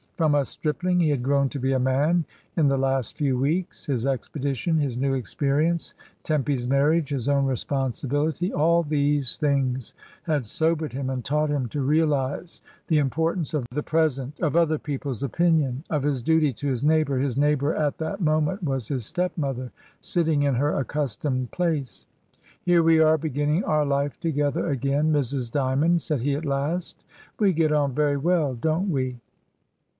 From a stripling he had grown to be a man in the last few weeks. His expedition, his new experience, Tempy's marriage, his own responsibility — all these things had sobered him, and taught him to realise the importance of the present, of other people's opinion, of his duty to his neighbour; his neighbour at that moment was his stepmother sitting in her accustomed place. "Here we are beginning our life together again, Mrs. Dymond," said he at last "We get on very well, don't we?"